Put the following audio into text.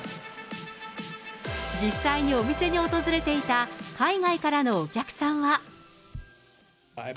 実際にお店に訪れていた海外からのお客さんは。